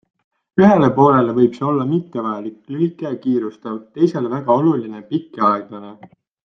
Ühele poolele võib see olla mittevajalik, lühike ja kiirustav, teisele väga oluline, pikk ja aeglane.